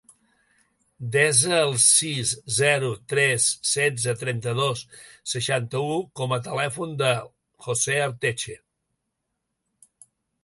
Desa el sis, zero, tres, setze, trenta-dos, seixanta-u com a telèfon del José Arteche.